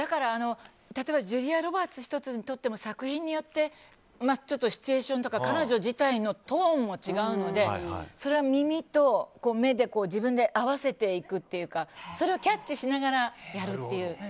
例えばジュリア・ロバーツ１つとっても作品によってちょっとシチュエーションとか彼女自体のトーンも違うのでそれは耳と目で自分で合わせていくというかそれをキャッチしながらやるっていう。